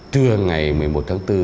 trưa ngày một mươi một tháng bốn